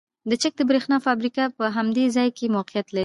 د چک د بریښنا فابریکه هم په همدې ځای کې موقیعت لري